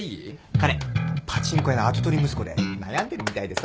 彼パチンコ屋の跡取り息子で悩んでるみたいでさ